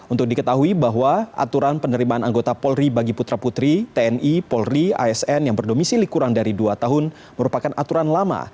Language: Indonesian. untuk diketahui bahwa aturan penerimaan anggota polri bagi putra putri tni polri asn yang berdomisili kurang dari dua tahun merupakan aturan lama